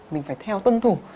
mình phải theo tân thủ